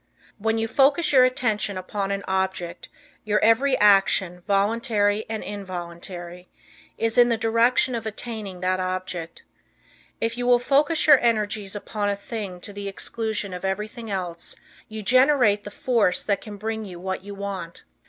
When you focus your attention upon an object your every action, voluntary and involuntary, is in the direction of attaining that object. If you will focus your energies upon a thing to the exclusion of everything else, you generate the force that can bring you what you want.